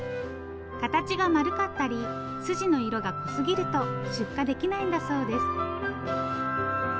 形が丸かったり筋の色が濃すぎると出荷できないんだそうです。